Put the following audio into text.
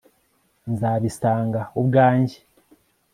nzabisanga ubwanjye